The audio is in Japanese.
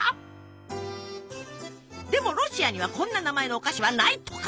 でもロシアにはこんな名前のお菓子はないとか！